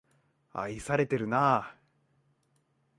愛されてるな